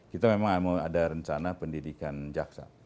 kita memang ada rencana pendidikan jaksa